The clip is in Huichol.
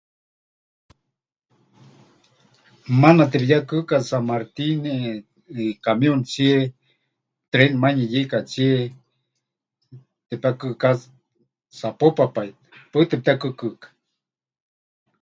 Maana tepɨyekɨka San Martín, eh, eh, camióntsie, tren manuyeyeikatsie tepekɨká Zapopa pai tɨ, paɨ tepɨtekɨkɨka.